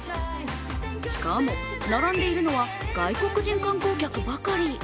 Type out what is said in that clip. しかも、並んでいるのは外国人観光客ばかり。